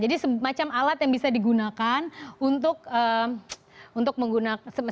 jadi semacam alat yang bisa digunakan untuk menggunakan